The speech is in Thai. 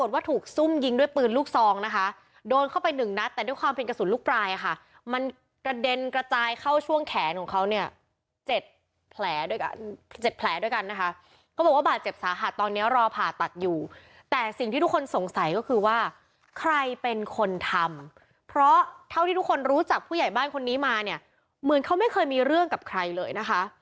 วันนี้มาเนี่ยเหมือนเค้าไม่เคยมีเรื่องกับใครเลยนะคะ